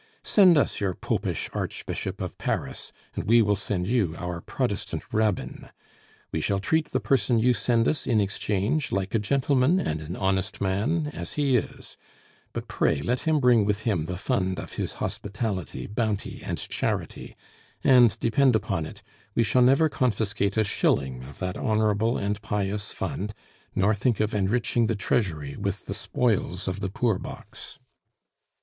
Send us your Popish Archbishop of Paris, and we will send you our Protestant Rabbin. We shall treat the person you send us in exchange like a gentleman and an honest man, as he is; but pray let him bring with him the fund of his hospitality, bounty, and charity; and depend upon it, we shall never confiscate a shilling of that honorable and pious fund, nor think of enriching the treasury with the spoils of the poor box.